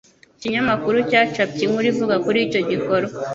Ikinyamakuru cyacapye inkuru ivuga kuri icyo gikorwa.